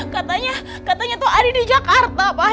katanya katanya tuh ada di jakarta pak